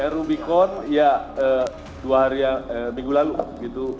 rubicon ya dua minggu lalu